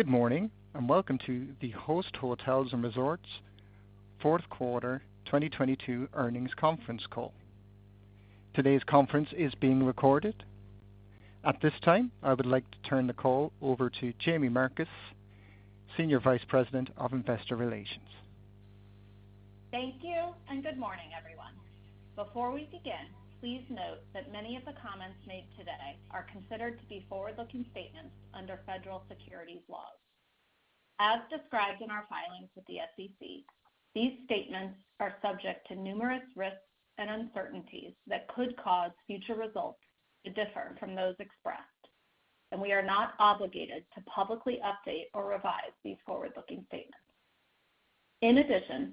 Good morning, welcome to the Host Hotels & Resorts Fourth Quarter 2022 Earnings Conference Call. Today's conference is being recorded. At this time, I would like to turn the call over to Jaime Marcus, Senior Vice President of Investor Relations. Thank you. Good morning, everyone. Before we begin, please note that many of the comments made today are considered to be forward-looking statements under federal securities laws. As described in our filings with the SEC, these statements are subject to numerous risks and uncertainties that could cause future results to differ from those expressed, and we are not obligated to publicly update or revise these forward-looking statements. In addition,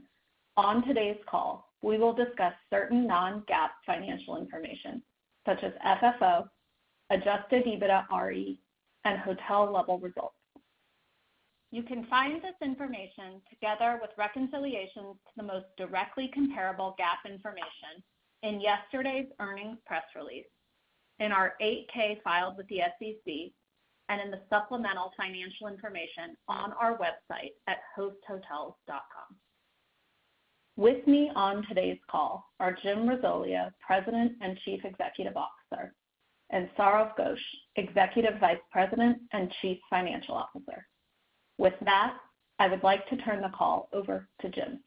on today's call, we will discuss certain non-GAAP financial information such as FFO, adjusted EBITDAre, and hotel-level results. You can find this information together with reconciliations to the most directly comparable GAAP information in yesterday's earnings press release, in our 8-K filed with the SEC, and in the supplemental financial information on our website at hosthotels.com. With me on today's call are Jim Risoleo, President and Chief Executive Officer, and Sourav Ghosh, Executive Vice President and Chief Financial Officer. With that, I would like to turn the call over to Jim.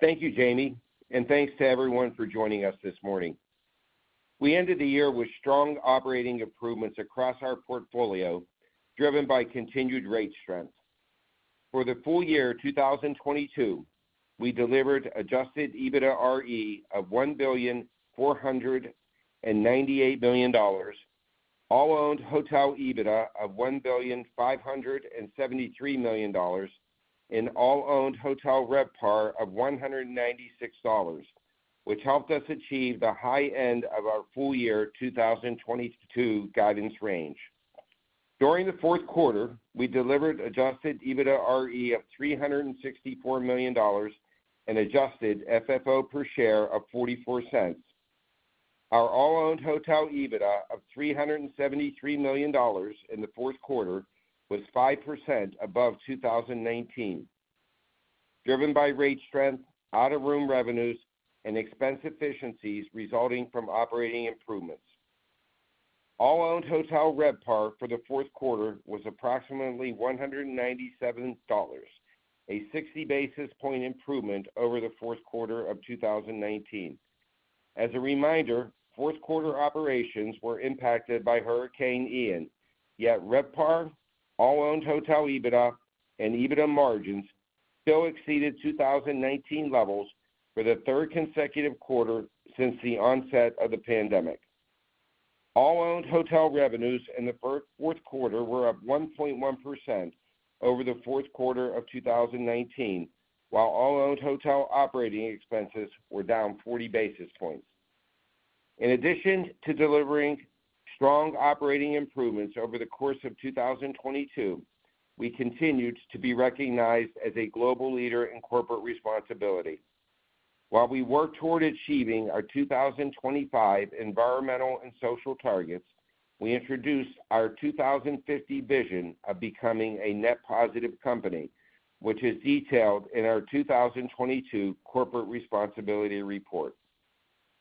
Thank you, Jaime, thanks to everyone for joining us this morning. We ended the year with strong operating improvements across our portfolio, driven by continued rate strength. For the full year 2022, we delivered adjusted EBITDARE of $1,498 million, all owned hotel EBITDA of $1,573 million, and all owned hotel RevPAR of $196, which helped us achieve the high end of our full year 2022 guidance range. During the fourth quarter, we delivered adjusted EBITDARE of $364 million and adjusted FFO per share of $0.44. Our all owned hotel EBITDA of $373 million in the fourth quarter was 5% above 2019, driven by rate strength, out of room revenues, and expense efficiencies resulting from operating improvements. All owned hotel RevPAR for the fourth quarter was approximately $197, a 60 basis point improvement over the fourth quarter of 2019. As a reminder, fourth quarter operations were impacted by Hurricane Ian, yet RevPAR, all owned hotel EBITDA and EBITDA margins still exceeded 2019 levels for the third consecutive quarter since the onset of the pandemic. All owned hotel revenues in the fourth quarter were up 1.1% over the fourth quarter of 2019, while all owned hotel operating expenses were down 40 basis points. In addition to delivering strong operating improvements over the course of 2022, we continued to be recognized as a global leader in corporate responsibility. While we work toward achieving our 2025 environmental and social targets, we introduced our 2050 vision of becoming a net positive company, which is detailed in our 2022 corporate responsibility report.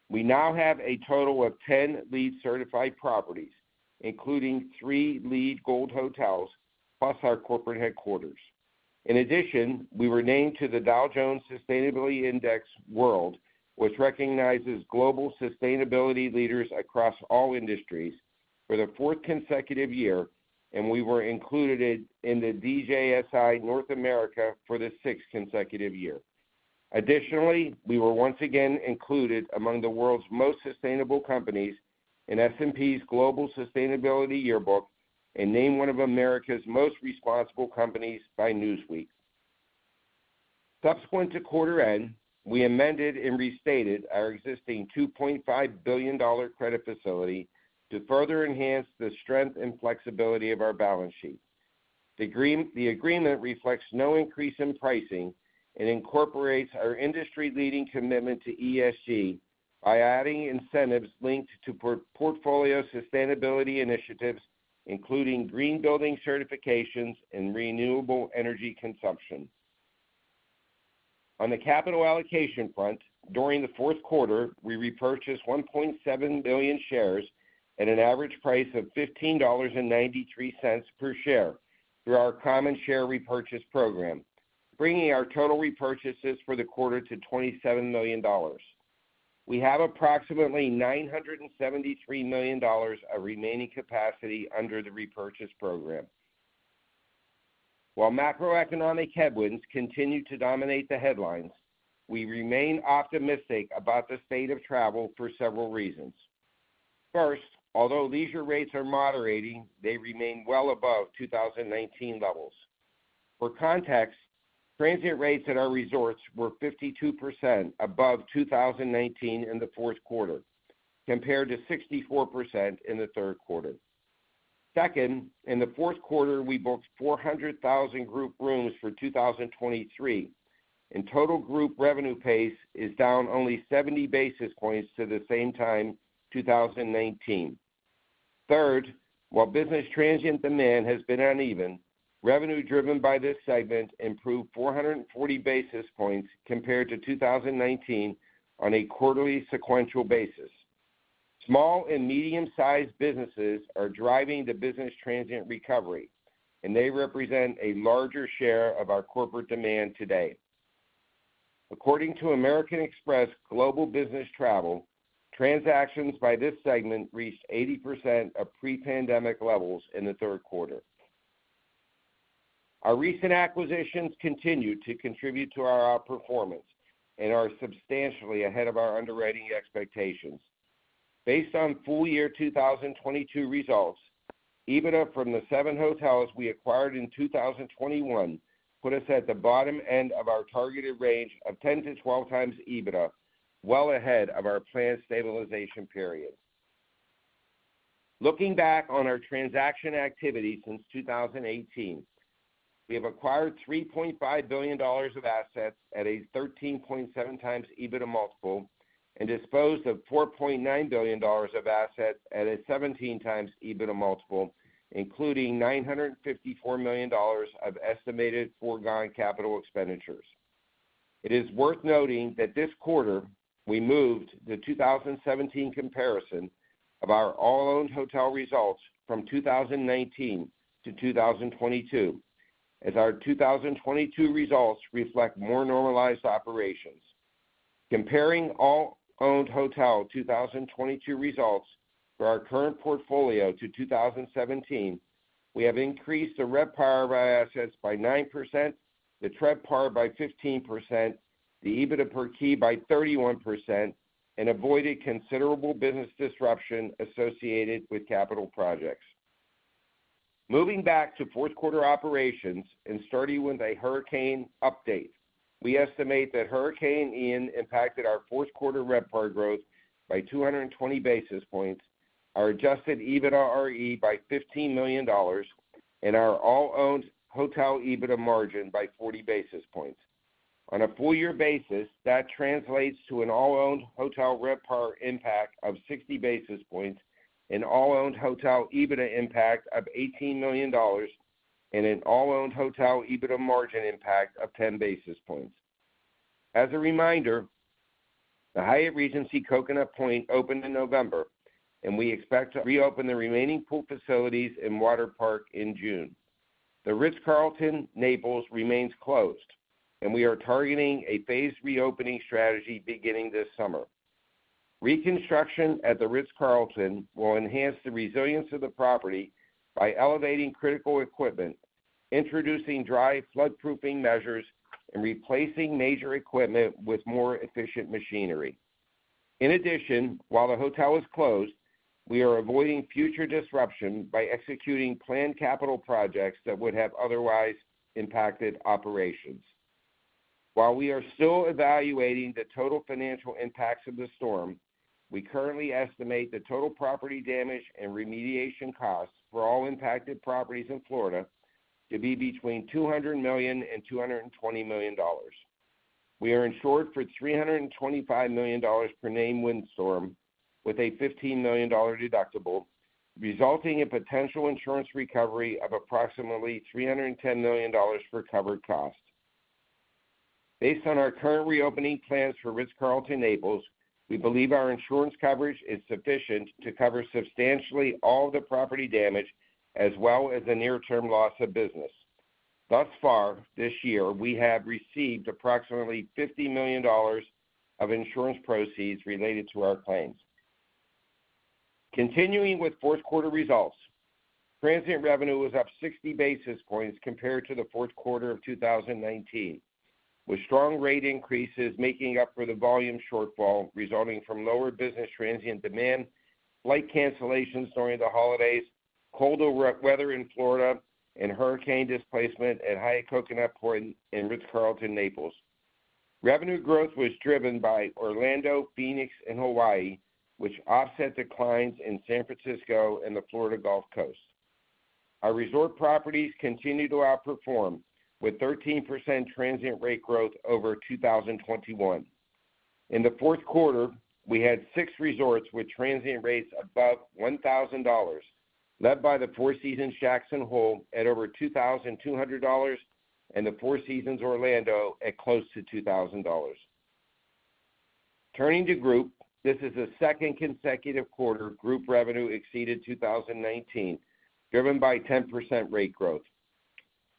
We now have a total of 10 LEED certified properties, including 3 LEED Gold hotels plus our corporate headquarters. We were named to the Dow Jones Sustainability World Index, which recognizes global sustainability leaders across all industries for the fourth consecutive year, and we were included in the DJSI North America for the sixth consecutive year. We were once again included among the world's most sustainable companies in S&P Global Sustainability Yearbook and named one of America's most responsible companies by Newsweek. Subsequent to quarter end, we amended and restated our existing $2.5 billion credit facility to further enhance the strength and flexibility of our balance sheet. The agreement reflects no increase in pricing and incorporates our industry leading commitment to ESG by adding incentives linked to portfolio sustainability initiatives, including green building certifications and renewable energy consumption. On the capital allocation front, during the fourth quarter, we repurchased 1.7 billion shares at an average price of $15.93 per share through our common share repurchase program, bringing our total repurchases for the quarter to $27 million. We have approximately $973 million of remaining capacity under the repurchase program. While macroeconomic headwinds continue to dominate the headlines, we remain optimistic about the state of travel for several reasons. First, although leisure rates are moderating, they remain well above 2019 levels. For context, transient rates at our resorts were 52% above 2019 in the fourth quarter, compared to 64% in the third quarter. Second, in the fourth quarter, we booked 400,000 group rooms for 2023. Total group revenue pace is down only 70 basis points to the same time 2019. Third, while business transient demand has been uneven, revenue driven by this segment improved 440 basis points compared to 2019 on a quarterly sequential basis. Small and medium sized businesses are driving the business transient recovery, and they represent a larger share of our corporate demand today. According to American Express Global Business Travel, transactions by this segment reached 80% of pre-pandemic levels in the third quarter. Our recent acquisitions continue to contribute to our outperformance and are substantially ahead of our underwriting expectations. Based on full year 2022 results, EBITDA from the seven hotels we acquired in 2021 put us at the bottom end of our targeted range of 10-12x EBITDA, well ahead of our planned stabilization period. Looking back on our transaction activity since 2018, we have acquired $3.5 billion of assets at a 13.7x EBITDA multiple and disposed of $4.9 billion of assets at a 17x EBITDA multiple, including $954 million of estimated foregone capital expenditures. It is worth noting that this quarter, we moved the 2017 comparison of our all owned hotel results from 2019 to 2022, as our 2022 results reflect more normalized operations. Comparing all owned hotel 2022 results for our current portfolio to 2017, we have increased the RevPAR by assets by 9%, the TRevPAR by 15%, the EBITDA per key by 31%, and avoided considerable business disruption associated with capital projects. Moving back to fourth quarter operations and starting with a hurricane update. We estimate that Hurricane Ian impacted our fourth quarter RevPAR growth by 220 basis points, our adjusted EBITDAre by $15 million, and our all owned hotel EBITDA margin by 40 basis points. On a full year basis, that translates to an all owned hotel RevPAR impact of 60 basis points, an all owned hotel EBITDA impact of $18 million, and an all owned hotel EBITDA margin impact of 10 basis points. As a reminder, the Hyatt Regency Coconut Point opened in November, and we expect to reopen the remaining pool facilities and water park in June. The Ritz-Carlton, Naples remains closed, and we are targeting a phased reopening strategy beginning this summer. Reconstruction at The Ritz-Carlton will enhance the resilience of the property by elevating critical equipment, introducing dry floodproofing measures, and replacing major equipment with more efficient machinery. In addition, while the hotel is closed, we are avoiding future disruption by executing planned capital projects that would have otherwise impacted operations. While we are still evaluating the total financial impacts of the storm, we currently estimate the total property damage and remediation costs for all impacted properties in Florida to be between $200 million and $220 million. We are insured for $325 million per named windstorm with a $15 million deductible, resulting in potential insurance recovery of approximately $310 million for covered costs. Based on our current reopening plans for The Ritz-Carlton, Naples, we believe our insurance coverage is sufficient to cover substantially all the property damage as well as the near term loss of business. Thus far this year, we have received approximately $50 million of insurance proceeds related to our claims. Continuing with fourth quarter results, transient revenue was up 60 basis points compared to the fourth quarter of 2019, with strong rate increases making up for the volume shortfall resulting from lower business transient demand, flight cancellations during the holidays, colder weather in Florida and hurricane displacement at Hyatt Coconut Point and Ritz-Carlton Naples. Revenue growth was driven by Orlando, Phoenix and Hawaii, which offset declines in San Francisco and the Florida Gulf Coast. Our resort properties continued to outperform with 13% transient rate growth over 2021. In the fourth quarter, we had six resorts with transient rates above $1,000, led by the Four Seasons Jackson Hole at over $2,200 and the Four Seasons Orlando at close to $2,000. Turning to group, this is the second consecutive quarter group revenue exceeded 2019, driven by 10% rate growth.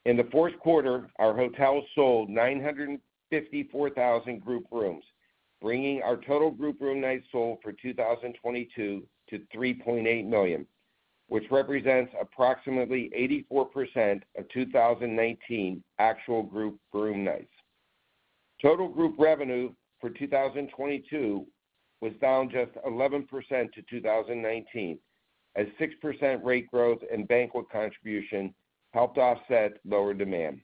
In the fourth quarter, our hotels sold 954,000 group rooms, bringing our total group room nights sold for 2022 to 3.8 million, which represents approximately 84% of 2019 actual group room nights. Total group revenue for 2022 was down just 11% to 2019 as 6% rate growth and banquet contribution helped offset lower demand.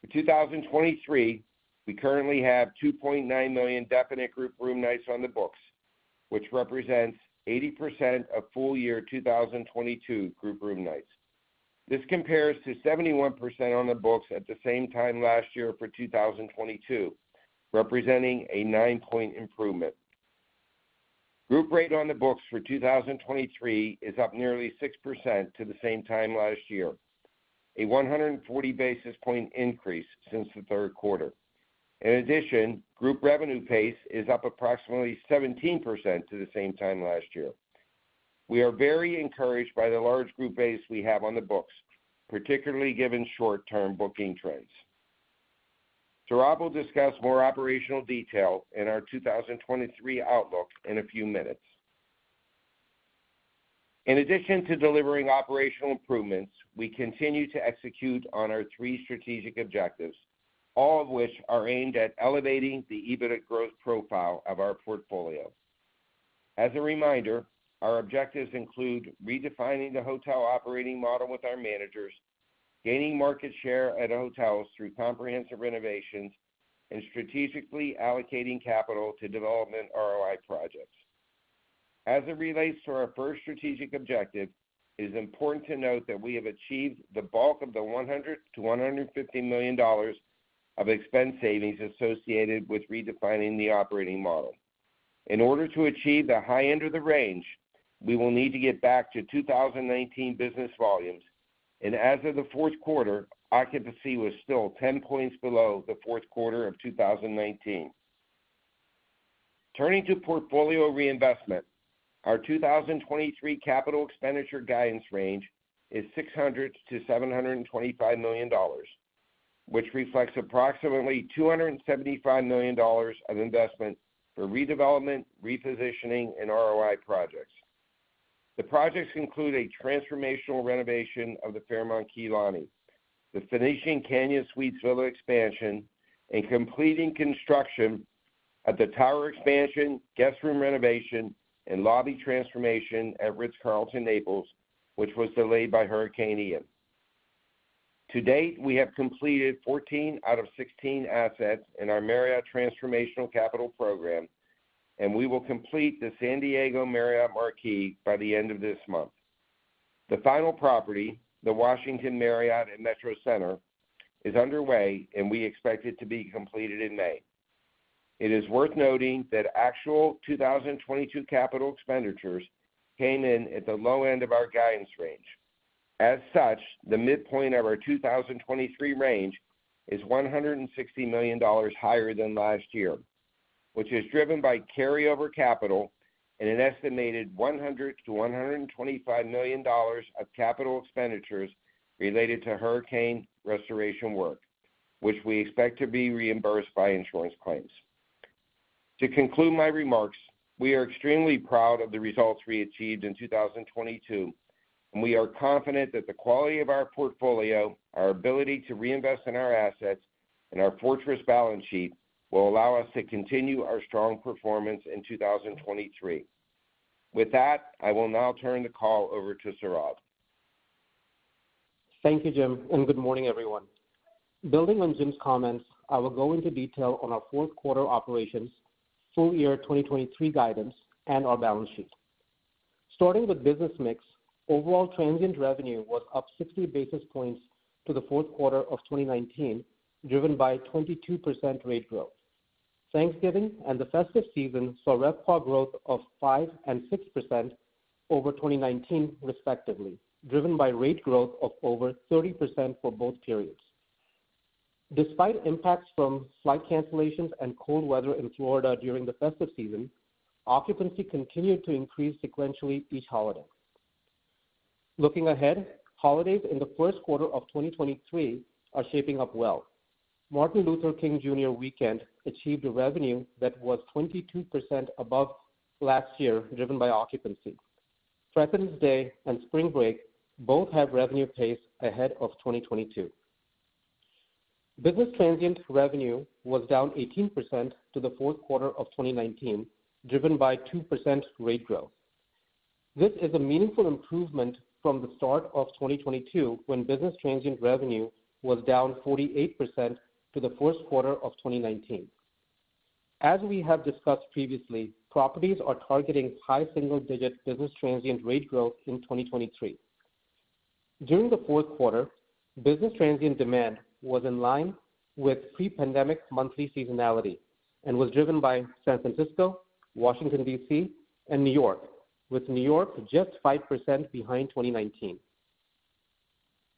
For 2023, we currently have 2.9 million definite group room nights on the books. Which represents 80% of full year 2022 group room nights. This compares to 71% on the books at the same time last year for 2022, representing a nine-point improvement. Group rate on the books for 2023 is up nearly 6% to the same time last year, a 140 basis point increase since the third quarter. In addition, group revenue pace is up approximately 17% to the same time last year. We are very encouraged by the large group base we have on the books, particularly given short-term booking trends. Saurav will discuss more operational detail in our 2023 outlook in a few minutes. In addition to delivering operational improvements, we continue to execute on our three strategic objectives, all of which are aimed at elevating the EBIT growth profile of our portfolio. As a reminder, our objectives include redefining the hotel operating model with our managers, gaining market share at hotels through comprehensive renovations, and strategically allocating capital to development ROI projects. As it relates to our first strategic objective, it is important to note that we have achieved the bulk of the $100 million-$150 million of expense savings associated with redefining the operating model. In order to achieve the high end of the range, we will need to get back to 2019 business volumes. As of the fourth quarter, occupancy was still 10 points below the fourth quarter of 2019. Turning to portfolio reinvestment, our 2023 capital expenditure guidance range is $600 million-$725 million, which reflects approximately $275 million of investment for redevelopment, repositioning, and ROI projects. The projects include a transformational renovation of the Fairmont Kea Lani, the finishing Canyon Suites villa expansion, and completing construction of the tower expansion, guest room renovation, and lobby transformation at Ritz-Carlton Naples, which was delayed by Hurricane Ian. To date, we have completed 14 out of 16 assets in our Marriott Transformational Capital Program, and we will complete the San Diego Marriott Marquis by the end of this month. The final property, the Washington Marriott at Metro Center, is underway, and we expect it to be completed in May. It is worth noting that actual 2022 CapEx came in at the low end of our guidance range. The midpoint of our 2023 range is $160 million higher than last year, which is driven by carryover capital and an estimated $100 million-$125 million of CapEx related to hurricane restoration work, which we expect to be reimbursed by insurance claims. To conclude my remarks, we are extremely proud of the results we achieved in 2022, and we are confident that the quality of our portfolio, our ability to reinvest in our assets, and our fortress balance sheet will allow us to continue our strong performance in 2023. With that, I will now turn the call over to Saurav. Thank you, Jim. Good morning, everyone. Building on Jim's comments, I will go into detail on our fourth quarter operations, full year 2023 guidance, and our balance sheet. Starting with business mix, overall transient revenue was up 60 basis points to the fourth quarter of 2019, driven by 22% rate growth. Thanksgiving and the festive season saw RevPAR growth of 5% and 6% over 2019, respectively, driven by rate growth of over 30% for both periods. Despite impacts from flight cancellations and cold weather in Florida during the festive season, occupancy continued to increase sequentially each holiday. Looking ahead, holidays in the first quarter of 2023 are shaping up well. Martin Luther King Jr. weekend achieved a revenue that was 22% above last year, driven by occupancy. Presidents' Day and spring break both have revenue pace ahead of 2022. Business transient revenue was down 18% to the fourth quarter of 2019, driven by 2% rate growth. This is a meaningful improvement from the start of 2022, when business transient revenue was down 48% to the first quarter of 2019. As we have discussed previously, properties are targeting high single-digit business transient rate growth in 2023. During the fourth quarter, business transient demand was in line with pre-pandemic monthly seasonality and was driven by San Francisco, Washington, D.C., and New York, with New York just 5% behind 2019.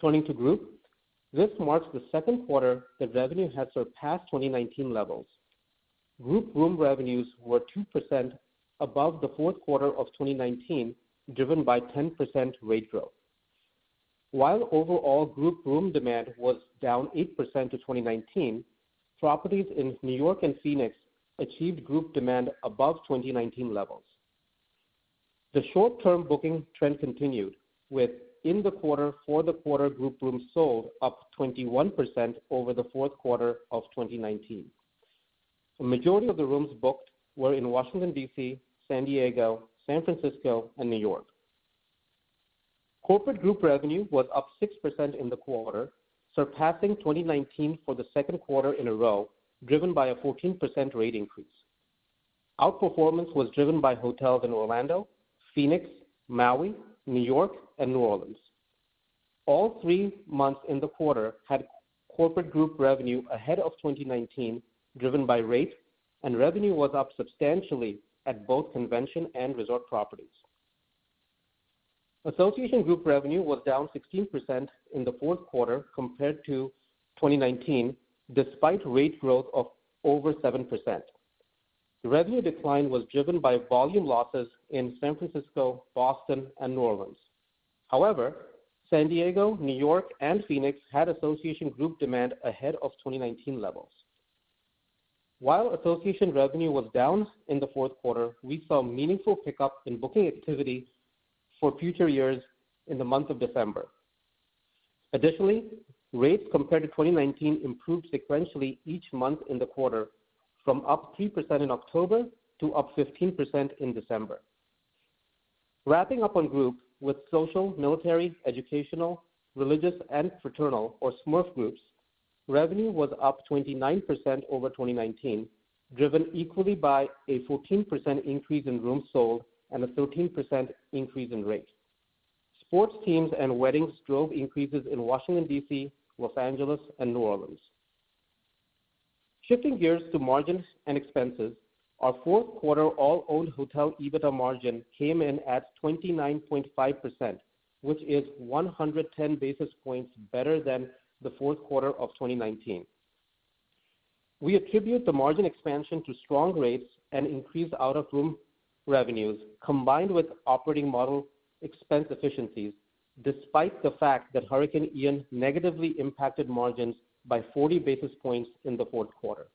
Turning to group, this marks the second quarter that revenue has surpassed 2019 levels. Group room revenues were 2% above the fourth quarter of 2019, driven by 10% rate growth. While overall group room demand was down 8% to 2019, properties in New York and Phoenix achieved group demand above 2019 levels. The short-term booking trend continued with in the quarter for the quarter group rooms sold up 21% over the fourth quarter of 2019. The majority of the rooms booked were in Washington, D.C., San Diego, San Francisco, and New York. Corporate group revenue was up 6% in the quarter, surpassing 2019 for the second quarter in a row, driven by a 14% rate increase. Outperformance was driven by hotels in Orlando, Phoenix, Maui, New York, and New Orleans. All three months in the quarter had corporate group revenue ahead of 2019, driven by rate, and revenue was up substantially at both convention and resort properties. Association group revenue was down 16% in the fourth quarter compared to 2019, despite rate growth of over 7%. The revenue decline was driven by volume losses in San Francisco, Boston and New Orleans. San Diego, New York and Phoenix had association group demand ahead of 2019 levels. While association revenue was down in the fourth quarter, we saw meaningful pickup in booking activity for future years in the month of December. Rates compared to 2019 improved sequentially each month in the quarter from up 3% in October to up 15% in December. Wrapping up on group with social, military, educational, religious and fraternal or SMERF groups, revenue was up 29% over 2019, driven equally by a 14% increase in rooms sold and a 13% increase in rates. Sports teams and weddings drove increases in Washington, D.C., Los Angeles and New Orleans. Shifting gears to margins and expenses, our fourth quarter all owned hotel EBITDA margin came in at 29.5%, which is 110 basis points better than the fourth quarter of 2019. We attribute the margin expansion to strong rates and increased out of room revenues combined with operating model expense efficiencies, despite the fact that Hurricane Ian negatively impacted margins by 40 basis points in the fourth quarter.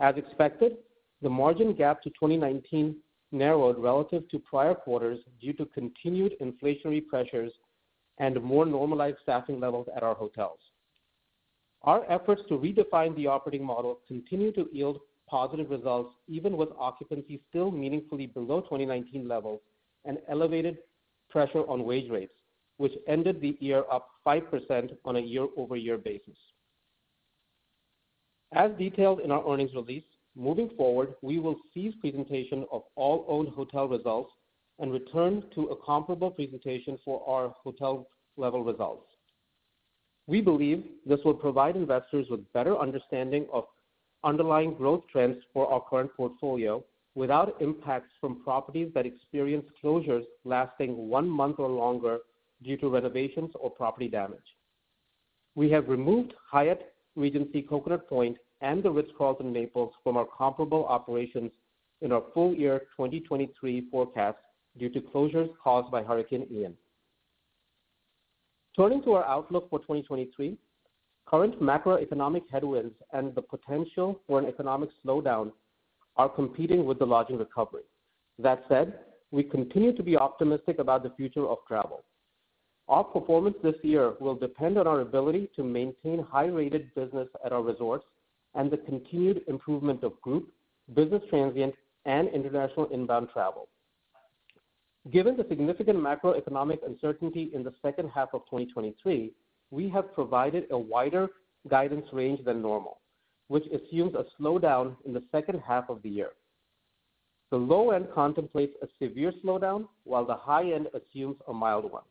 As expected, the margin gap to 2019 narrowed relative to prior quarters due to continued inflationary pressures and more normalized staffing levels at our hotels. Our efforts to redefine the operating model continue to yield positive results, even with occupancy still meaningfully below 2019 levels and elevated pressure on wage rates, which ended the year up 5% on a year-over-year basis. As detailed in our earnings release, moving forward, we will cease presentation of all owned hotel results and return to a comparable presentation for our hotel level results. We believe this will provide investors with better understanding of underlying growth trends for our current portfolio without impacts from properties that experience closures lasting one month or longer due to renovations or property damage. We have removed Hyatt Regency Coconut Point and The Ritz-Carlton, Naples from our comparable operations in our full year 2023 forecast due to closures caused by Hurricane Ian. Turning to our outlook for 2023. Current macroeconomic headwinds and the potential for an economic slowdown are competing with the lodging recovery. That said, we continue to be optimistic about the future of travel. Our performance this year will depend on our ability to maintain high rated business at our resorts and the continued improvement of group, business transient and international inbound travel. Given the significant macroeconomic uncertainty in the H2 of 2023, we have provided a wider guidance range than normal, which assumes a slowdown in the H2 of the year. The low end contemplates a severe slowdown while the high end assumes a mild one.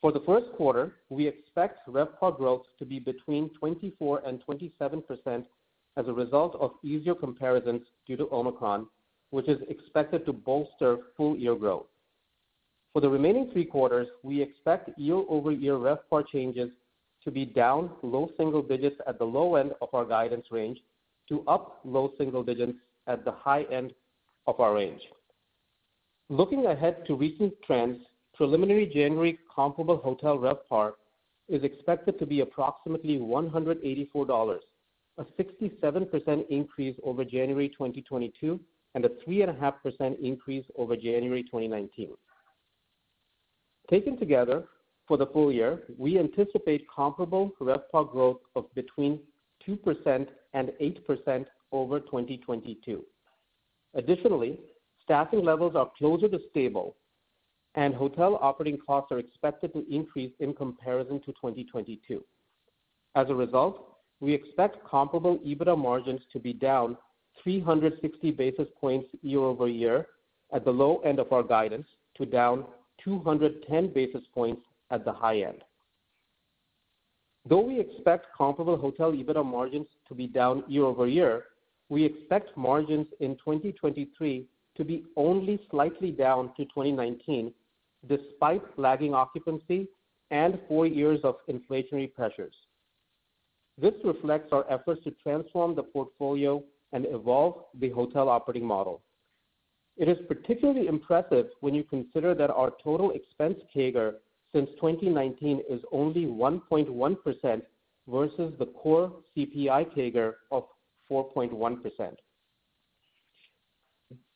For the first quarter, we expect RevPAR growth to be between 24% and 27% as a result of easier comparisons due to Omicron, which is expected to bolster full year growth. For the remaining three quarters, we expect year-over-year RevPAR changes to be down low single digits at the low end of our guidance range to up low single digits at the high end of our range. Looking ahead to recent trends, preliminary January comparable hotel RevPAR is expected to be approximately $184, a 67% increase over January 2022 and a 3.5% increase over January 2019. Taken together, for the full year, we anticipate comparable RevPAR growth of between 2% and 8% over 2022. Additionally, staffing levels are closer to stable and hotel operating costs are expected to increase in comparison to 2022. As a result, we expect comparable EBITDA margins to be down 360 basis points year-over-year at the low end of our guidance to down 210 basis points at the high end. Though we expect comparable hotel EBITDA margins to be down year-over-year, we expect margins in 2023 to be only slightly down to 2019 despite lagging occupancy and four years of inflationary pressures. This reflects our efforts to transform the portfolio and evolve the hotel operating model. It is particularly impressive when you consider that our total expense CAGR since 2019 is only 1.1% versus the core CPI CAGR of 4.1%.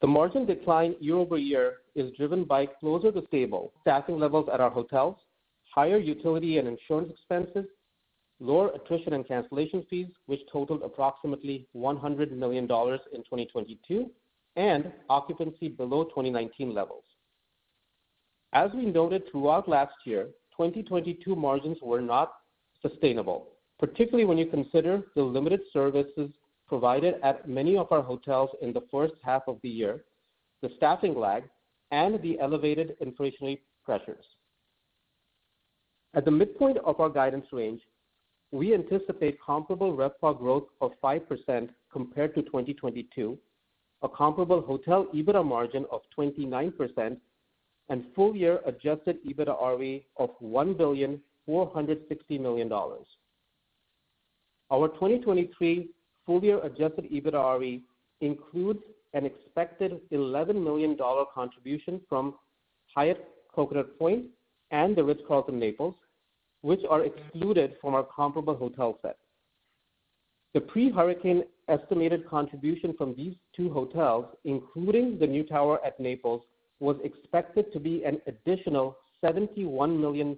The margin decline year-over-year is driven by closer to stable staffing levels at our hotels, higher utility and insurance expenses, lower attrition and cancellation fees, which totaled approximately $100 million in 2022, and occupancy below 2019 levels. As we noted throughout last year, 2022 margins were not sustainable, particularly when you consider the limited services provided at many of our hotels in the H1 of the year, the staffing lag, and the elevated inflationary pressures. At the midpoint of our guidance range, we anticipate comparable RevPAR growth of 5% compared to 2022, a comparable hotel EBITDA margin of 29%, and full year adjusted EBITDAre of $1.46 billion. Our 2023 full year adjusted EBITDAre includes an expected $11 million contribution from Hyatt Coconut Point and The Ritz-Carlton Naples, which are excluded from our comparable hotel set. The pre-hurricane estimated contribution from these two hotels, including the new tower at Naples, was expected to be an additional $71 million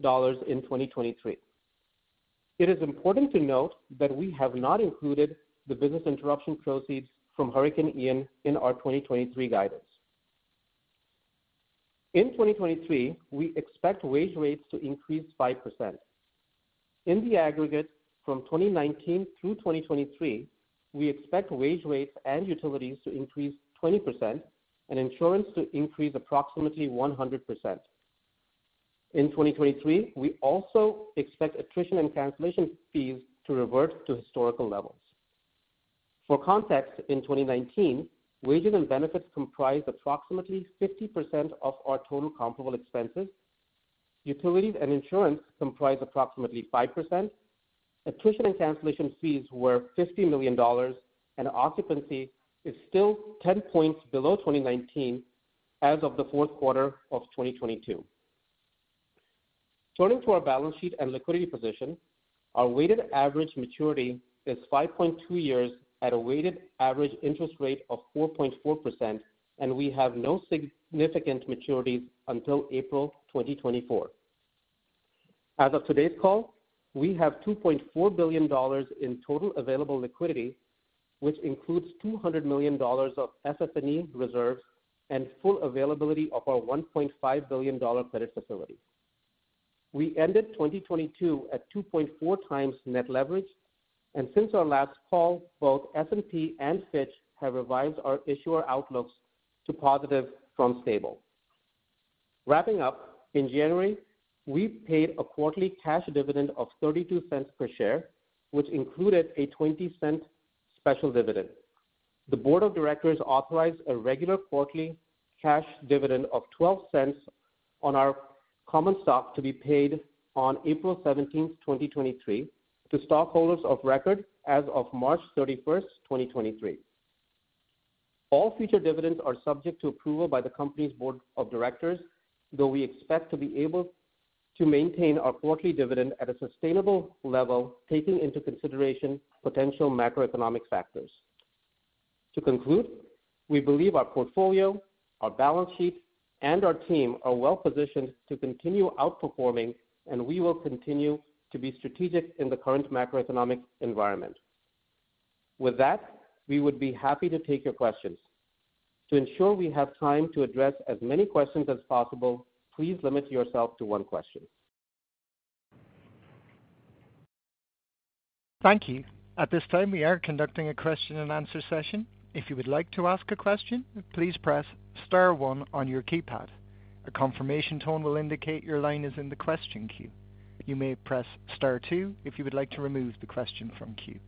in 2023. It is important to note that we have not included the business interruption proceeds from Hurricane Ian in our 2023 guidance. In 2023, we expect wage rates to increase 5%. In the aggregate from 2019 through 2023, we expect wage rates and utilities to increase 20% and insurance to increase approximately 100%. In 2023, we also expect attrition and cancellation fees to revert to historical levels. For context, in 2019, wages and benefits comprised approximately 50% of our total comparable expenses. Utilities and insurance comprised approximately 5%. Attrition and cancellation fees were $50 million, and occupancy is still 10 points below 2019 as of the fourth quarter of 2022. Turning to our balance sheet and liquidity position, our weighted average maturity is 5.2 years at a weighted average interest rate of 4.4%, and we have no significant maturities until April 2024. As of today's call, we have $2.4 billion in total available liquidity, which includes $200 million of FF&E reserves and full availability of our $1.5 billion credit facility. We ended 2022 at 2.4x net leverage. Since our last call, both S&P and Fitch have revised our issuer outlooks to positive from stable. Wrapping up, in January, we paid a quarterly cash dividend of $0.32 per share, which included a $0.20 special dividend. The board of directors authorized a regular quarterly cash dividend of $0.12 on our common stock to be paid on April 17, 2023 to stockholders of record as of March 31, 2023. All future dividends are subject to approval by the company's board of directors, though we expect to be able to maintain our quarterly dividend at a sustainable level, taking into consideration potential macroeconomic factors. To conclude, we believe our portfolio, our balance sheet, and our team are well-positioned to continue outperforming, and we will continue to be strategic in the current macroeconomic environment. With that, we would be happy to take your questions. To ensure we have time to address as many questions as possible, please limit yourself to one question. Thank you. At this time, we are conducting a question and answer session. If you would like to ask a question, please press star one on your keypad. A confirmation tone will indicate your line is in the question queue. You may press star two if you would like to remove the question from queue.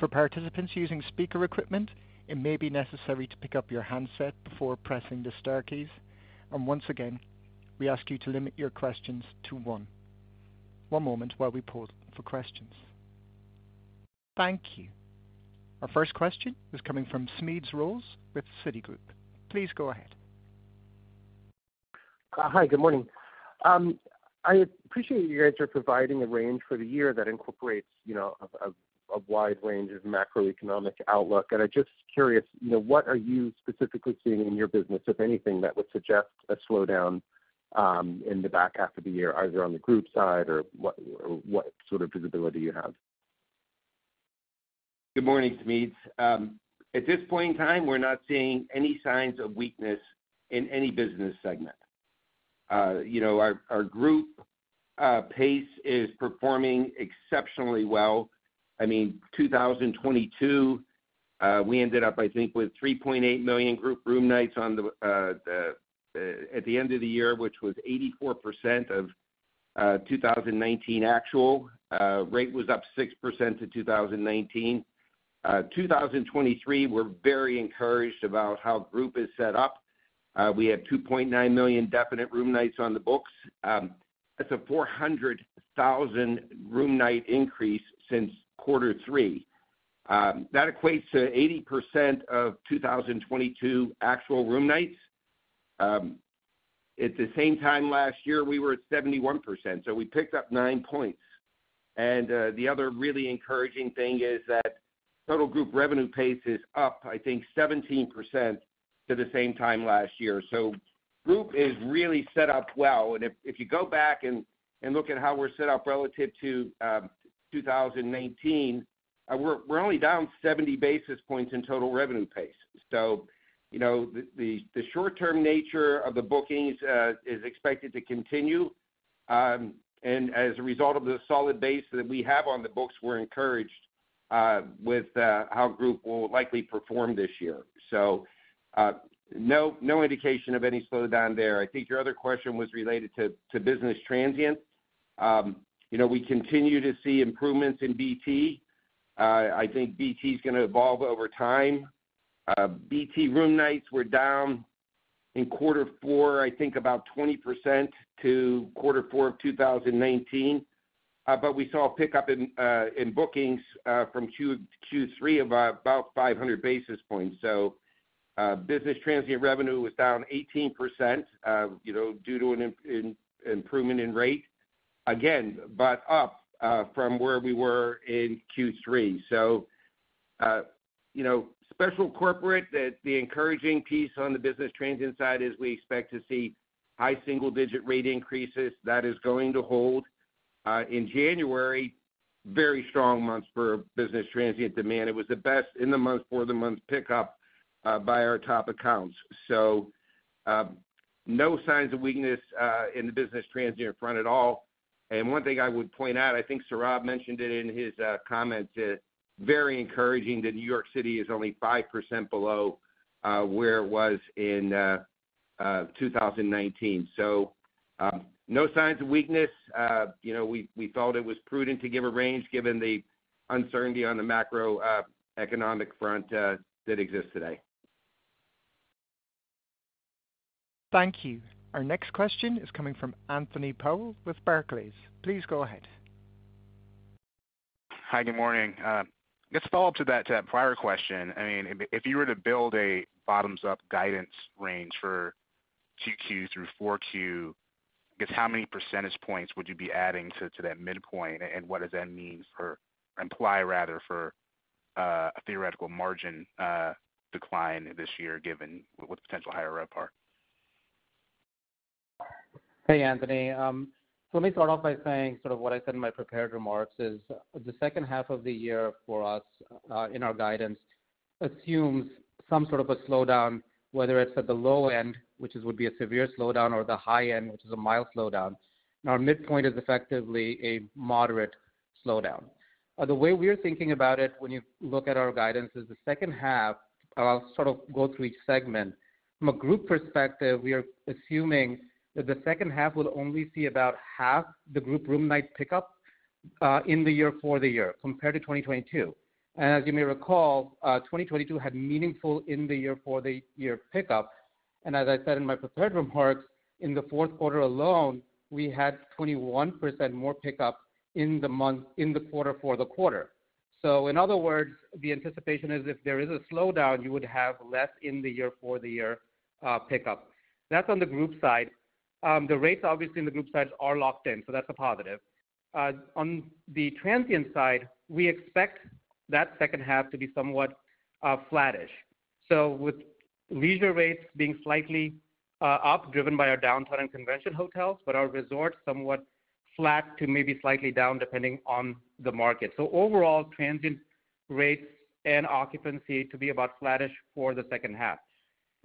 For participants using speaker equipment, it may be necessary to pick up your handset before pressing the star keys. Once again, we ask you to limit your questions to one. One moment while we pause for questions. Thank you. Our first question is coming from Suneet Kamath with Citigroup. Please go ahead. Hi. Good morning. I appreciate you guys are providing a range for the year that incorporates, you know, a wide range of macroeconomic outlook. I'm just curious, you know, what are you specifically seeing in your business, if anything, that would suggest a slowdown in the back half of the year, either on the group side or what sort of visibility you have? Good morning, Suneet. At this point in time, we're not seeing any signs of weakness in any business segment. You know, our group pace is performing exceptionally well. I mean, 2022, we ended up, I think, with 3.8 million group room nights on the at the end of the year, which was 84% of 2019 actual. Rate was up 6% to 2019. 2023, we're very encouraged about how group is set up. We have 2.9 million definite room nights on the books. That's a 400,000 room night increase since quarter three. That equates to 80% of 2022 actual room nights. At the same time last year, we were at 71%, so we picked up 9 points. The other really encouraging thing is that Total group revenue pace is up, I think 17% to the same time last year. Group is really set up well. If you go back and look at how we're set up relative to 2019, we're only down 70 basis points in total revenue pace. You know, the short-term nature of the bookings is expected to continue. As a result of the solid base that we have on the books, we're encouraged with how group will likely perform this year. No indication of any slowdown there. I think your other question was related to business transient. You know, we continue to see improvements in BT. I think BT is gonna evolve over time. BT room nights were down in quarter four, I think about 20% to quarter four of 2019. We saw a pickup in bookings from Q3 of about 500 basis points. Business transient revenue was down 18%, you know, due to an improvement in rate again, but up from where we were in Q3. You know, special corporate, the encouraging piece on the business transient side is we expect to see high single-digit rate increases that is going to hold in January, very strong months for business transient demand. It was the best in the month for the month pickup by our top accounts. No signs of weakness in the business transient front at all. One thing I would point out, I think Saurav mentioned it in his comment. Very encouraging that New York City is only 5% below where it was in 2019. No signs of weakness. You know, we felt it was prudent to give a range given the uncertainty on the macroeconomic front that exists today. Thank you. Our next question is coming from Anthony Powell with Barclays. Please go ahead. Hi. Good morning. Just a follow-up to that prior question. I mean, if you were to build a bottoms-up guidance range for Q2 through 4Q, I guess how many percentage points would you be adding to that midpoint? What does that imply rather for a theoretical margin decline this year given with potential higher RevPAR? Hey, Anthony. Let me start off by saying sort of what I said in my prepared remarks is the H2 of the year for us, in our guidance assumes some sort of a slowdown, whether it's at the low end, which would be a severe slowdown or the high end, which is a mild slowdown. Our midpoint is effectively a moderate slowdown. The way we are thinking about it when you look at our guidance is the H2. I'll sort of go through each segment. From a group perspective, we are assuming that the H2 will only see about half the group room night pickup, in the year for the year compared to 2022. As you may recall, 2022 had meaningful in the year for the year pickup. As I said in my prepared remarks, in the fourth quarter alone, we had 21% more pickup in the quarter for the quarter. In other words, the anticipation is if there is a slowdown, you would have less in the year for the year pickup. That's on the group side. The rates obviously in the group side are locked in, so that's a positive. On the transient side, we expect that H2 to be somewhat flattish. With leisure rates being slightly up, driven by our downtown and convention hotels, but our resorts somewhat flat to maybe slightly down, depending on the market. Overall transient rates and occupancy to be about flattish for the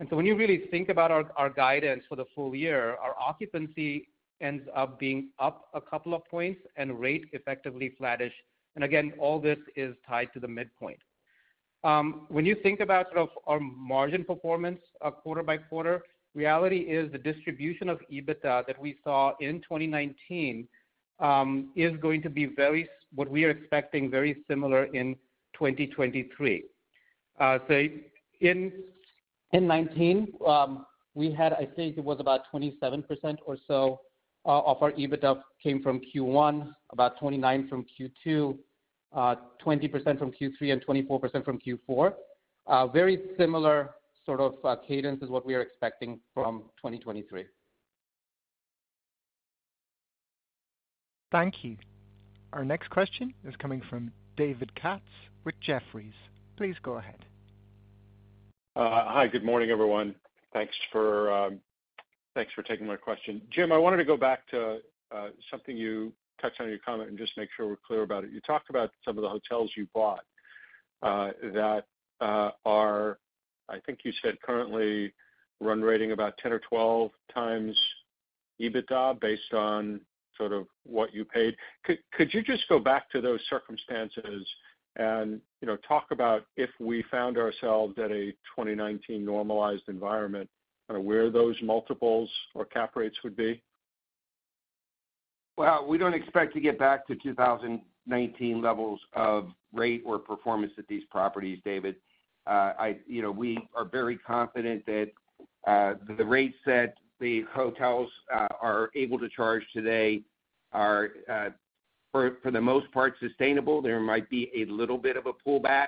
H2. When you really think about our guidance for the full year, our occupancy ends up being up a couple of points and rate effectively flattish. Again, all this is tied to the midpoint. When you think about sort of our margin performance, quarter by quarter, reality is the distribution of EBITDA that we saw in 2019, is going to be very similar in 2023. Say in 19, we had I think it was about 27% or so of our EBITDA came from Q1, about 29% from Q2, 20% from Q3, and 24% from Q4. Very similar sort of cadence is what we are expecting from 2023. Thank you. Our next question is coming from David Katz with Jefferies. Please go ahead. Hi. Good morning, everyone. Thanks for taking my question. Jim, I wanted to go back to something you touched on in your comment, just to make sure we're clear about it. You talked about some of the hotels you've bought that are, I think you said currently run rating about 10 or 12x EBITDA based on sort of what you paid. Could you just go back to those circumstances and talk about if we found ourselves in a 2019 normalized environment, where those multiples or cap rates would be? Well, we don't expect to get back to 2019 levels of rate or performance at these properties, David. You know, we are very confident that the rates that the hotels are able to charge today are for the most part sustainable. There might be a little bit of a pullback,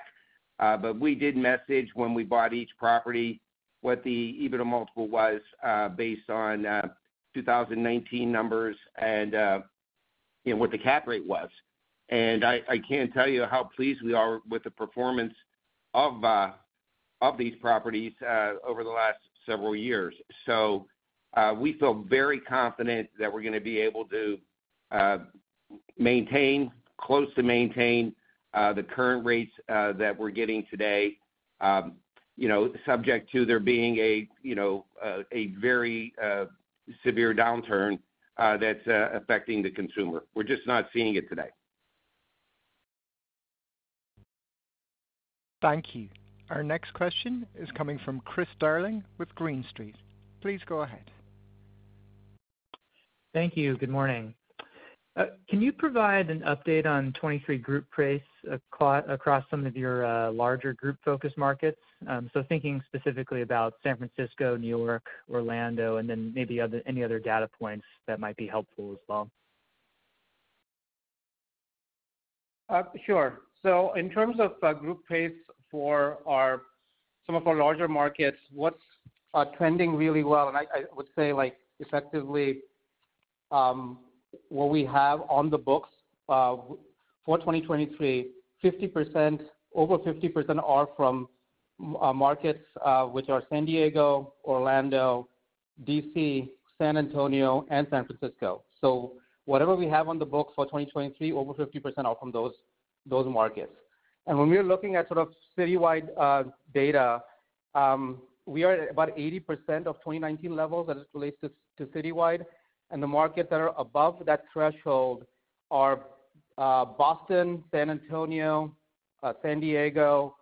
but we did message when we bought each property, what the EBITDA multiple was based on 2019 numbers. You know, what the cap rate was. I can't tell you how pleased we are with the performance of these properties over the last several years. We feel very confident that we're gonna be able to close to maintain the current rates that we're getting today, you know, subject to there being a, you know, a very severe downturn that's affecting the consumer. We're just not seeing it today. Thank you. Our next question is coming from Chris Darling with Green Street. Please go ahead. Thank you. Good morning. Can you provide an update on 23 group pace across some of your larger group-focused markets, thinking specifically about San Francisco, New York, Orlando, and then maybe any other data points that might be helpful as well? Sure. In terms of group pace for some of our larger markets, what's trending really well, and I would say like effectively, what we have on the books for 2023, over 50% are from markets, which are San Diego, Orlando, D.C., San Antonio, and San Francisco. Whatever we have on the books for 2023, over 50% are from those markets. When we are looking at sort of citywide data, we are about 80% of 2019 levels as it relates to citywide. The markets that are above that threshold are Boston, San Antonio, San Diego,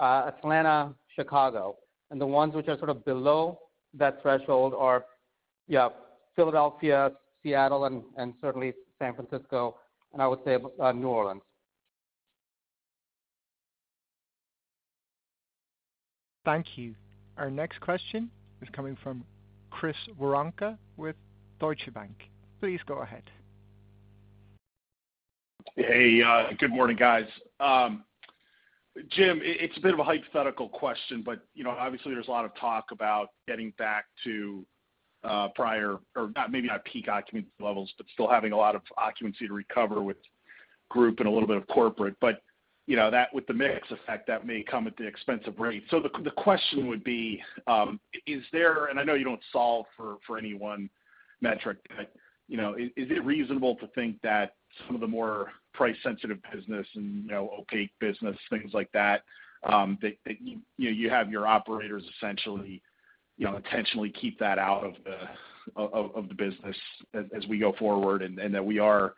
Atlanta, Chicago. The ones which are sort of below that threshold are Philadelphia, Seattle, and certainly San Francisco, and I would say New Orleans. Thank you. Our next question is coming from Chris Woronka with Deutsche Bank. Please go ahead. Hey, good morning, guys. Jim, it's a bit of a hypothetical question, but, you know, obviously there's a lot of talk about getting back to prior or not, maybe not peak occupancy levels, but still having a lot of occupancy to recover with group and a little bit of corporate. You know, that with the mix effect, that may come at the expense of rate. The question would be, is there ,I know you don't solve for any one metric, but, you know, is it reasonable to think that some of the more price-sensitive business and, you know, opaque business, things like that, you know, you have your operators essentially, you know, intentionally keep that out of the business as we go forward, and that we are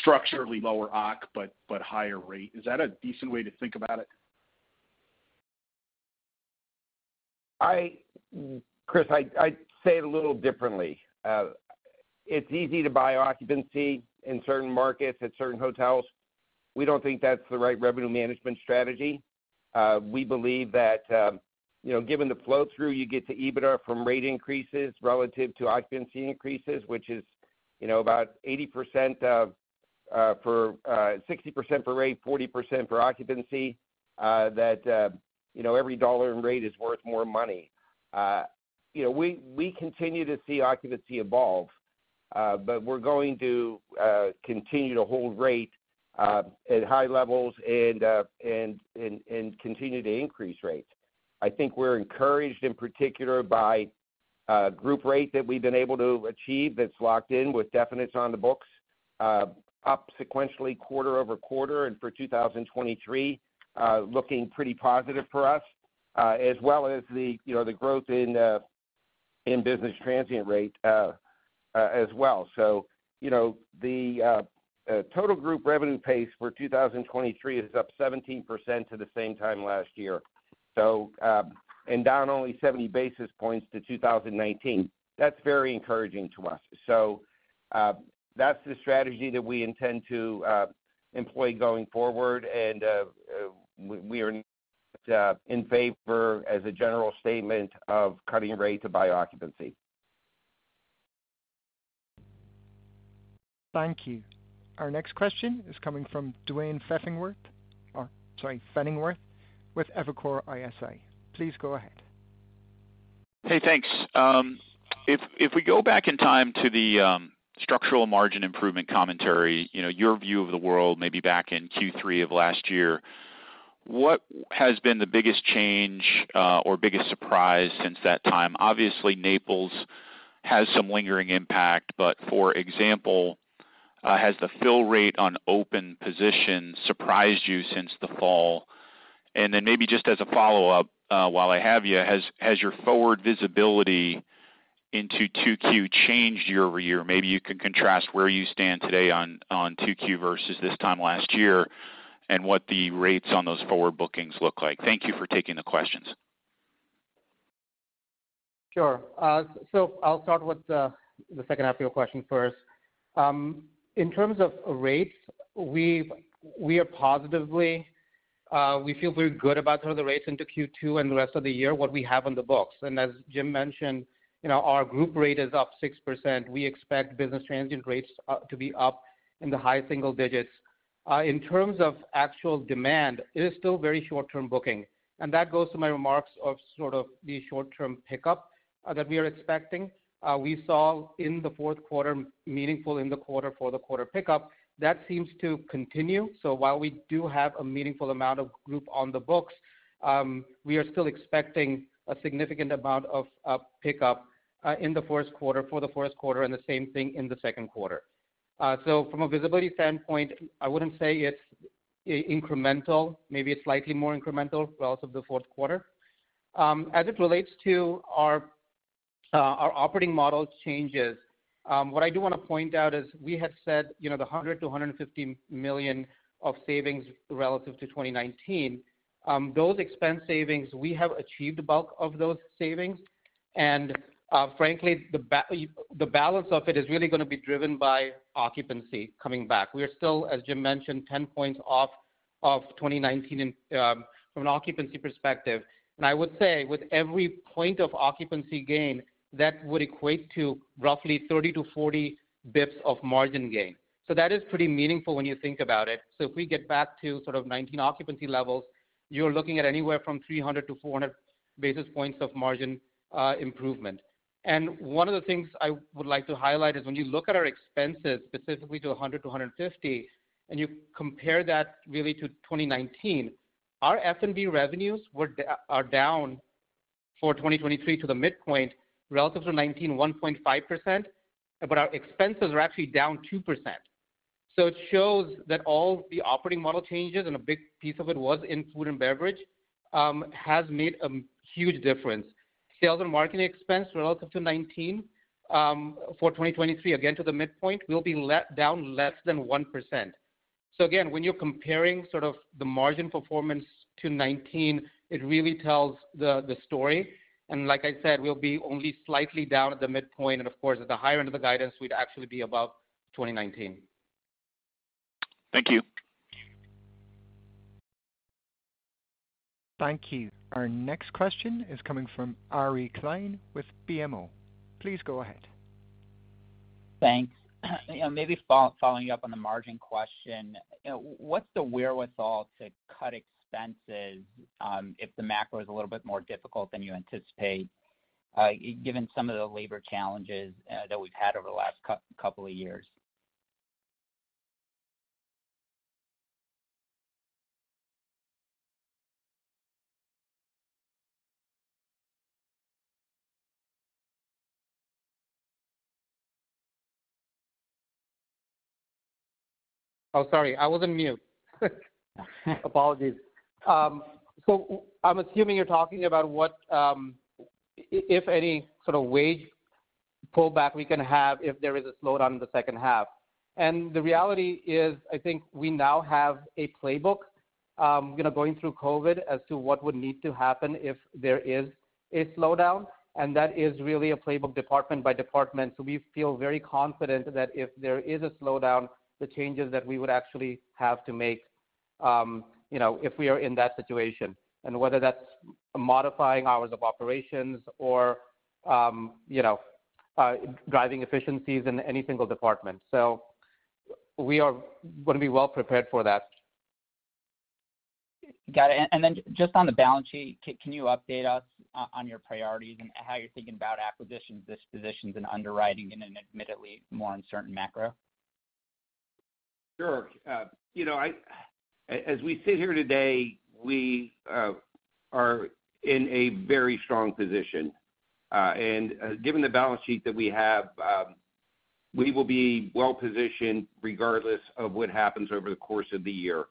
structurally lower occ but higher rate. Is that a decent way to think about it? Chris, I'd say it a little differently. It's easy to buy occupancy in certain markets at certain hotels. We don't think that's the right revenue management strategy. We believe that, you know, given the flow-through, you get to EBITDA from rate increases relative to occupancy increases, which is, you know, about 80% of, for, 60% for rate, 40% for occupancy, that, you know, every dollar in rate is worth more money. You know, we continue to see occupancy evolve, but we're going to continue to hold rate at high levels and continue to increase rates. I think we're encouraged in particular by a group rate that we've been able to achieve that's locked in with definites on the books, up sequentially quarter-over-quarter, and for 2023, looking pretty positive for us, as well as the, you know, the growth in business transient rate as well. You know, the total group revenue pace for 2023 is up 17% to the same time last year, and down only 70 basis points to 2019. That's very encouraging to us. That's the strategy that we intend to employ going forward, and we are in favor as a general statement of cutting rates to buy occupancy. Thank you. Our next question is coming from Duane Pfennigwerth with Evercore ISI. Please go ahead. Hey, thanks. If we go back in time to the structural margin improvement commentary, you know, your view of the world maybe back in Q3 of last year, what has been the biggest change or biggest surprise since that time? Obviously, Naples has some lingering impact, but for example, has the fill rate on open positions surprised you since the fall? Maybe just as a follow-up, while I have you, has your forward visibility into 2Q changed year-over-year? Maybe you can contrast where you stand today on 2Q versus this time last year and what the rates on those forward bookings look like. Thank you for taking the questions. Sure. I'll start with the second half of your question first. In terms of rates, we are positively, we feel very good about some of the rates into Q2 and the rest of the year, what we have on the books. As Jim mentioned, you know, our group rate is up 6%. We expect business transient rates to be up in the high single digits. In terms of actual demand, it is still very short-term booking, and that goes to my remarks of sort of the short-term pickup that we are expecting. We saw in the fourth quarter, meaningful in the quarter for the quarter pickup. That seems to continue. While we do have a meaningful amount of group on the books, we are still expecting a significant amount of pickup in the first quarter for the first quarter and the same thing in the second quarter. From a visibility standpoint, I wouldn't say it's incremental, maybe it's slightly more incremental relative to the fourth quarter. As it relates to our operating model changes, what I do want to point out is we had said, you know, the $100 million-$150 million of savings relative to 2019. Those expense savings, we have achieved the bulk of those savings. Frankly, the balance of it is really going to be driven by occupancy coming back. We are still, as Jim mentioned, 10 points off of 2019 in from an occupancy perspective. I would say, with every point of occupancy gain, that would equate to roughly 30-40 basis points of margin gain. That is pretty meaningful when you think about it. If we get back to sort of 2019 occupancy levels, you're looking at anywhere from 300-400 basis points of margin improvement. One of the things I would like to highlight is when you look at our expenses, specifically to 100-150, and you compare that really to 2019, our F&B revenues are down for 2023 to the midpoint relative to 2019, 1.5%, but our expenses are actually down 2%. It shows that all the operating model changes, and a big piece of it was in Food and Beverage, has made a huge difference. Sales and marketing expense relative to 2019 for 2023, again, to the midpoint, will be down less than 1%. Again, when you're comparing sort of the margin performance to 2019, it really tells the story. Like I said, we'll be only slightly down at the midpoint. Of course, at the higher end of the guidance, we'd actually be above 2019. Thank you. Thank you. Our next question is coming from Ari Klein with BMO. Please go ahead. Thanks. You know, maybe following up on the margin question, you know, what's the wherewithal to cut expenses, if the macro is a little bit more difficult than you anticipate, given some of the labor challenges that we've had over the last couple of years? Oh, sorry. I was on mute. Apologies. I'm assuming you're talking about what, if any sort of wage pullback we can have if there is a slowdown in the second half. The reality is, I think we now have a playbook, you know, going through COVID as to what would need to happen if there is a slowdown. That is really a playbook department by department. We feel very confident that if there is a slowdown, the changes that we would actually have to make, you know, if we are in that situation, and whether that's modifying hours of operations or, you know, driving efficiencies in any single department. We are going to be well prepared for that. Got it. Then just on the balance sheet, can you update us on your priorities and how you're thinking about acquisitions, dispositions, and underwriting in an admittedly more uncertain macro? Sure. You know, As we sit here today, we are in a very strong position, and given the balance sheet that we have, we will be well-positioned regardless of what happens over the course of the year.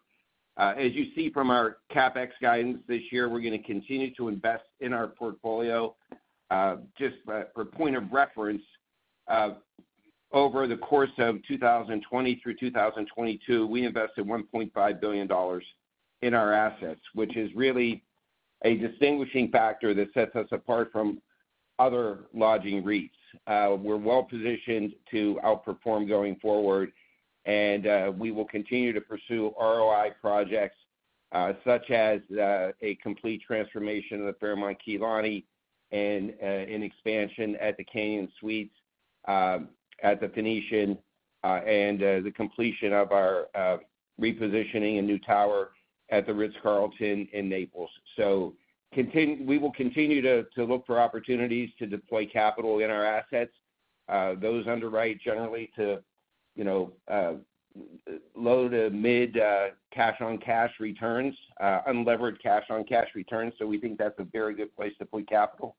As you see from our CapEx guidance this year, we're going to continue to invest in our portfolio. Just for point of reference, over the course of 2020 through 2022, we invested $1.5 billion in our assets, which is really a distinguishing factor that sets us apart from other lodging REITs. We're well-positioned to outperform going forward, and we will continue to pursue ROI projects, such as a complete transformation of the Fairmont Kea Lani and an expansion at The Canyon Suites at The Venetian and the completion of our repositioning a new tower at The Ritz-Carlton in Naples. We will continue to look for opportunities to deploy capital in our assets. Those underwrite generally to, you know, low to mid cash-on-cash returns, unlevered cash-on-cash returns. We think that's a very good place to put capital.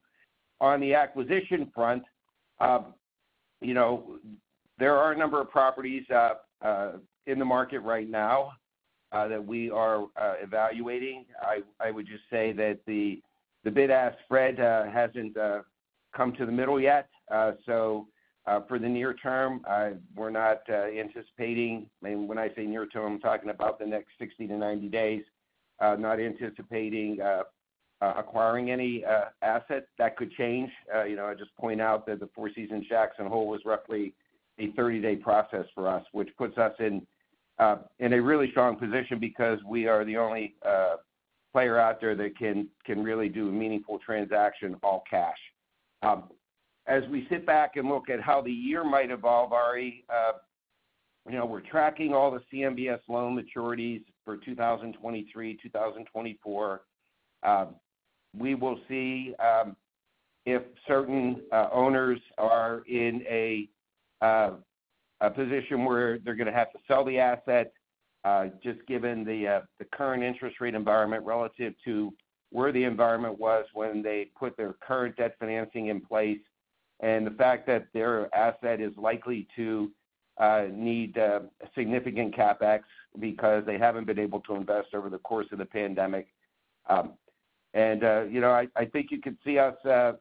On the acquisition front, you know, there are a number of properties in the market right now that we are evaluating. I would just say that the bid-ask spread hasn't come to the middle yet. For the near term, we're not anticipating. When I say near term, I'm talking about the next 60-90 days. Not anticipating acquiring any asset that could change. You know, I just point out that the Four Seasons Jackson Hole was roughly a 30-day process for us, which puts us in a really strong position because we are the only player out there that can really do a meaningful transaction, all cash. As we sit back and look at how the year might evolve, Ari, you know, we're tracking all the CMBS loan maturities for 2023, 2024. We will see if certain owners are in a position where they're going to have to sell the asset, just given the current interest rate environment relative to where the environment was when they put their current debt financing in place, and the fact that their asset is likely to need a significant CapEx because they haven't been able to invest over the course of the pandemic. And, you know, I think you could see us as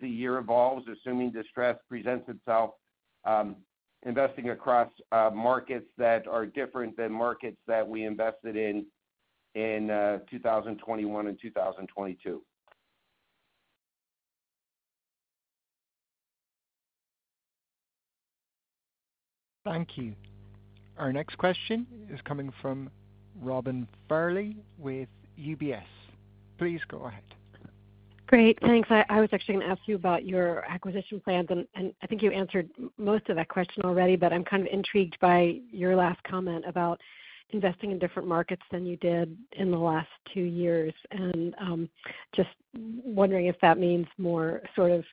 the year evolves, assuming distress presents itself, investing across markets that are different than markets that we invested in in 2021 and 2022. Thank you. Our next question is coming from Robin Farley with UBS. Please go ahead. Great. Thanks. I was actually gonna ask you about your acquisition plans, and I think you answered most of that question already, but I'm kind of intrigued by your last comment about investing in different markets than you did in the last two years. Just wondering if that means more sort of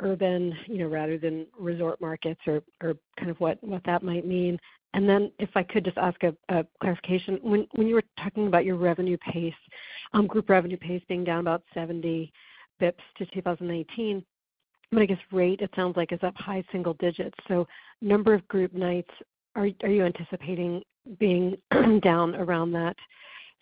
urban, you know, rather than resort markets or kind of what that might mean. Then if I could just ask a clarification. When you were talking about your revenue pace, group revenue pace being down about 70 basis points to 2018, but I guess rate, it sounds like, is up high single digits. Number of group nights, are you anticipating being down around that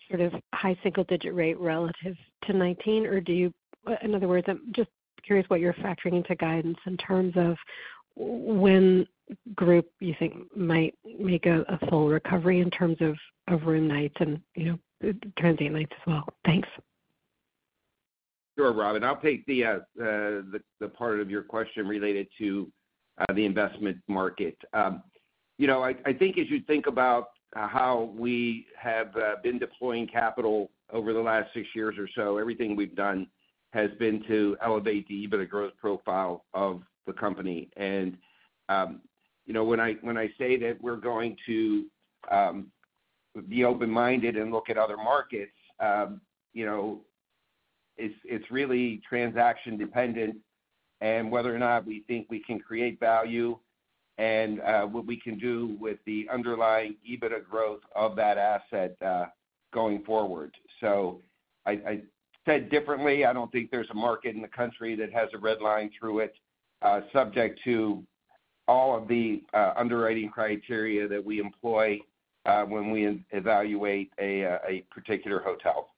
sort of high single digit rate relative to 2019, or do you, in other words, I'm just curious what you're factoring into guidance in terms of when group, you think, might make a full recovery in terms of room nights and, you know, transient nights as well. Thanks. Sure, Robin. I'll take the part of your question related to the investment market. You know, I think as you think about how we have been deploying capital over the last six years or so, everything we've done has been to elevate the EBITDA growth profile of the company. You know, when I say that we're going to be open-minded and look at other markets, you know, it's really transaction dependent and whether or not we think we can create value and what we can do with the underlying EBITDA growth of that asset going forward. I said differently, I don't think there's a market in the country that has a red line through it, subject to all of the underwriting criteria that we employ when we evaluate a particular hotel.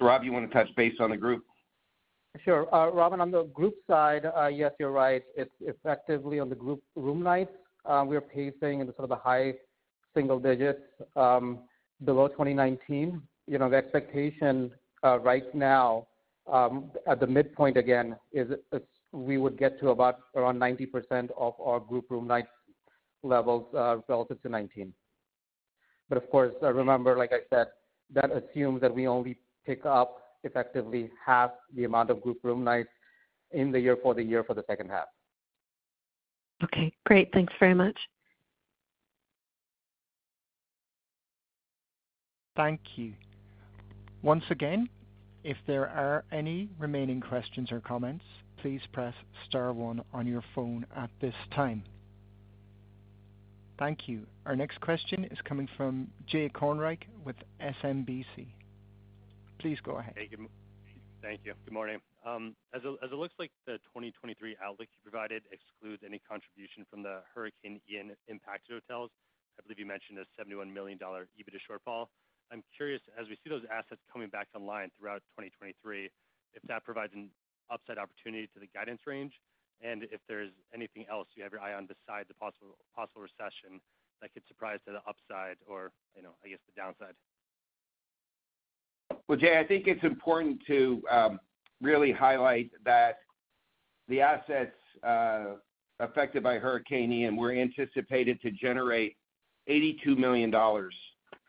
Rob, you wanna touch base on the group? Sure. Robin, on the group side, yes, you're right. It's effectively on the group room nights. We are pacing in the sort of a high single digits below 2019. You know, the expectation right now, at the midpoint, again, is we would get to about around 90% of our group room night levels relative to 2019. Of course, remember, like I said, that assumes that we only pick up effectively half the amount of group room nights in the year for the year for the H2. Okay, great. Thanks very much. Thank you. Once again, if there are any remaining questions or comments, please press star one on your phone at this time. Thank you. Our next question is coming from Jay Kornreich with SMBC. Please go ahead. Thank you. Thank you. Good morning. As it looks like the 2023 outlook you provided excludes any contribution from the Hurricane Ian impacted hotels, I believe you mentioned a $71 million EBITDA shortfall. I'm curious, as we see those assets coming back online throughout 2023, if that provides an upside opportunity to the guidance range, and if there's anything else you have your eye on besides the possible recession that could surprise to the upside or, you know, I guess, the downside. Jay, I think it's important to really highlight that the assets affected by Hurricane Ian were anticipated to generate $82 million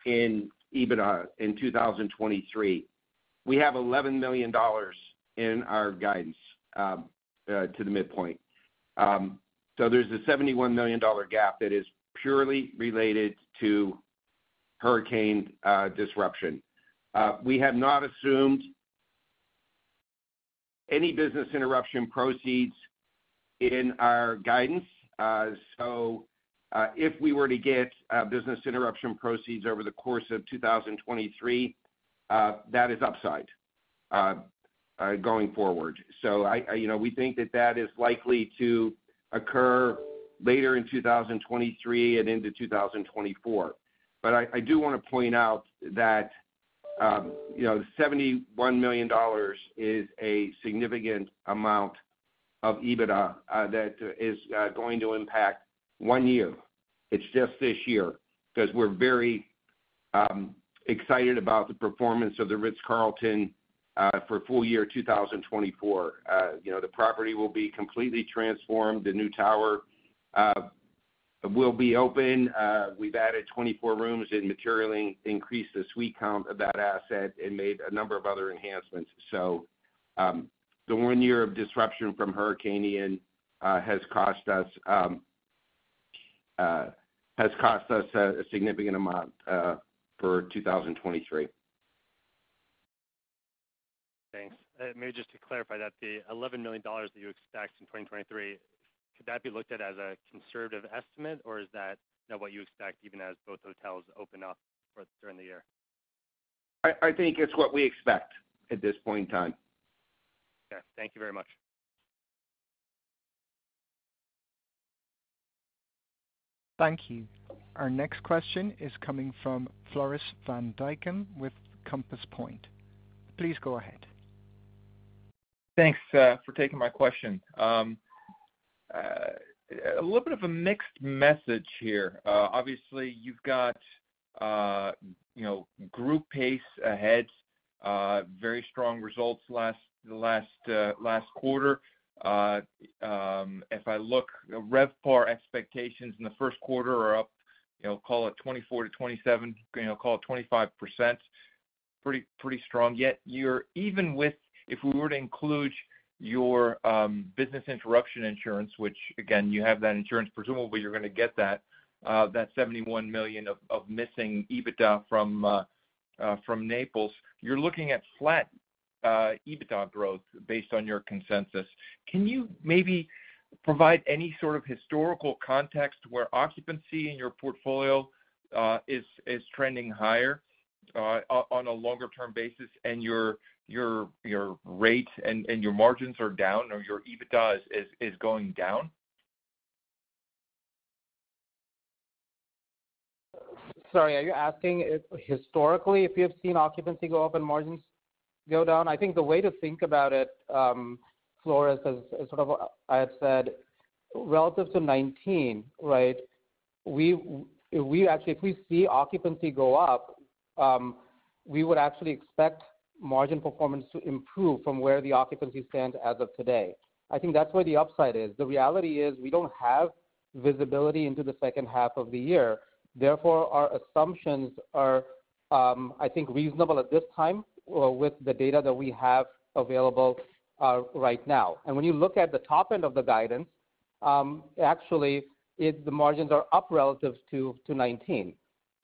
in EBITDA in 2023. We have $11 million in our guidance to the midpoint. There's a $71 million gap that is purely related to hurricane disruption. We have not assumed any business interruption proceeds in our guidance. If we were to get business interruption proceeds over the course of 2023, that is upside going forward. You know, we think that that is likely to occur later in 2023 and into 2024. I do wanna point out that, you know, $71 million is a significant amount of EBITDA that is going to impact one year. It's just this year, 'cause we're very excited about the performance of the Ritz-Carlton for full year 2024. You know, the property will be completely transformed, the new tower, It will be open. We've added 24 rooms and materially increased the suite count of that asset and made a number of other enhancements. The one year of disruption from Hurricane Ian has cost us a significant amount for 2023. Thanks. Maybe just to clarify that the $11 million that you expect in 2023, could that be looked at as a conservative estimate, or is that now what you expect even as both hotels open up during the year? I think it's what we expect at this point in time. Yeah. Thank you very much. Thank you. Our next question is coming from Floris van Dijkum with Compass Point. Please go ahead. Thanks for taking my question. A little bit of a mixed message here. Obviously, you've got, you know, group pace ahead, very strong results the last quarter. If I look at RevPAR expectations in the first quarter are up, you know, call it 24-27, you know, call it 25%, pretty strong. Yet you're even with, if we were to include your business interruption insurance, which again, you have that insurance, presumably you're gonna get that $71 million of missing EBITDA from Naples, you're looking at flat EBITDA growth based on your consensus. Can you maybe provide any sort of historical context where occupancy in your portfolio is trending higher on a longer term basis and your rate and your margins are down or your EBITDA is going down? Sorry, are you asking if historically, if you have seen occupancy go up and margins go down? I think the way to think about it, Floris, as sort of I had said relative to 19, right? We, we actually if we see occupancy go up, we would actually expect margin performance to improve from where the occupancy stands as of today. I think that's where the upside is. The reality is we don't have visibility into the H2 of the year, therefore, our assumptions are, I think reasonable at this time or with the data that we have available, right now. When you look at the top end of the guidance, actually the margins are up relatives to 19.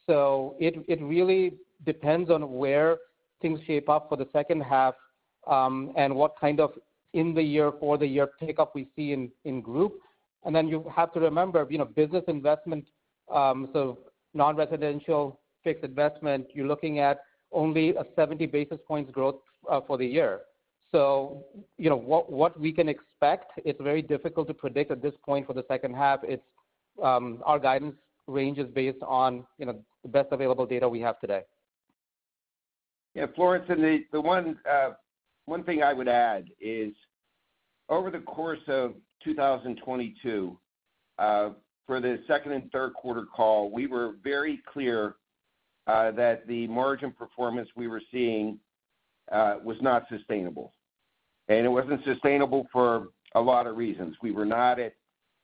It really depends on where things shape up for the H2, and what kind of in the year or the year pickup we see in group. You have to remember, you know, business investment, so non-residential fixed investment, you're looking at only a 70 basis points growth for the year. You know what we can expect, it's very difficult to predict at this point for the H2. It's our guidance range is based on, you know, the best available data we have today. Yeah, Floris, and the one thing I would add is over the course of 2022, for the second and third quarter call, we were very clear that the margin performance we were seeing was not sustainable. It wasn't sustainable for a lot of reasons. We were not at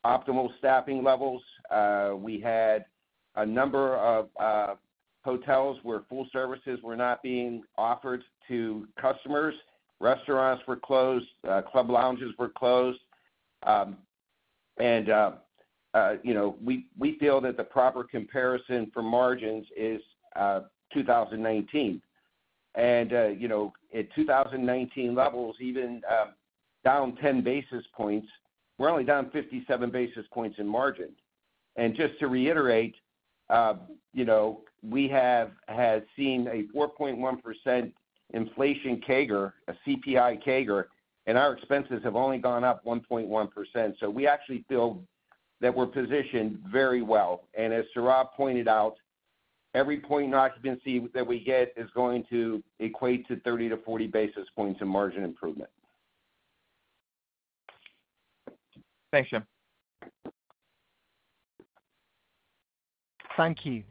optimal staffing levels. We had a number of hotels where full services were not being offered to customers. Restaurants were closed, club lounges were closed. You know, we feel that the proper comparison for margins is 2019. You know, at 2019 levels, even down 10 basis points, we're only down 57 basis points in margin. Just to reiterate, you know, we have had seen a 4.1% inflation CAGR, a CPI CAGR, and our expenses have only gone up 1.1%. We actually feel that we're positioned very well. As Saurav pointed out, every point in occupancy that we get is going to equate to 30-40 basis points in margin improvement. Thanks, Jim. Thank you.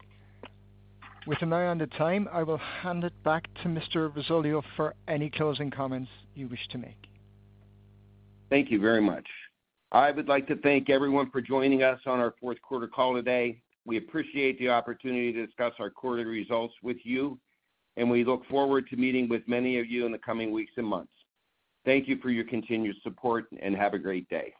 With an eye on the time, I will hand it back to Mr. Risoleo for any closing comments you wish to make. Thank you very much. I would like to thank everyone for joining us on our fourth quarter call today. We appreciate the opportunity to discuss our quarterly results with you, and we look forward to meeting with many of you in the coming weeks and months. Thank you for your continued support and have a great day.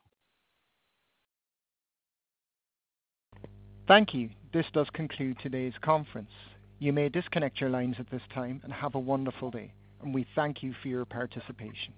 Thank you. This does conclude today's conference. You may disconnect your lines at this time and have a wonderful day, and we thank you for your participation.